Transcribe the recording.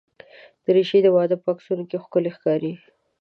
دریشي د واده په عکسونو کې ښکلي ښکاري.